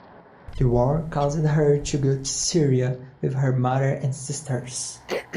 The war caused her to go to Syria, with her mother and sisters.